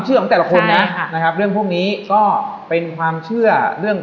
ของแต่ละคนนะนะครับเรื่องพวกนี้ก็เป็นความเชื่อเรื่อง